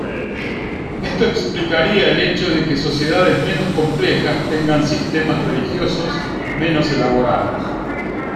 Esto explicaría el hecho de que sociedades menos complejas tengan sistemas religiosos menos elaborados.